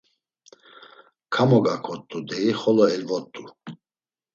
“Kamogakot̆u!” deyi xolo elvot̆u.